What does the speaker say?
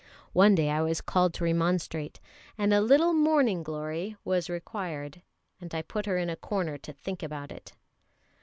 One day I was called to remonstrate, and a little "morning glory" was required, and I put her in a corner to think about it.